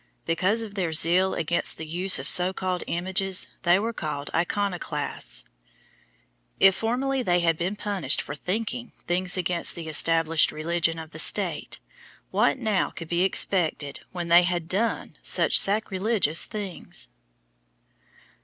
Because of their zeal against the use of so called images they were called Iconoclasts. If formerly they had been punished for thinking things against the established religion of the State, what now could be expected when they had done such sacrilegious things?